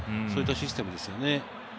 そういったシステムですね。